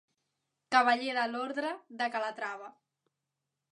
Cavaller de l'ordre de Calatrava.